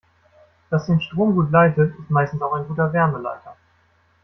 Was den Strom gut leitet, ist meistens auch ein guter Wärmeleiter.